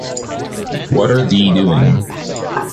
What are the doing?